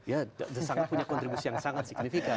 ya sangat punya kontribusi yang sangat signifikan